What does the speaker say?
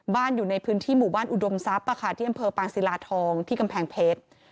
อยู่ในพื้นที่หมู่บ้านอุดมทรัพย์ที่อำเภอปางศิลาทองที่กำแพงเพชร